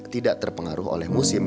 tidak terpengaruh oleh musim